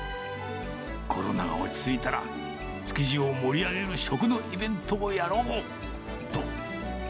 コロナが落ち着いたら、築地を盛り上げる食のイベントをやろう！と。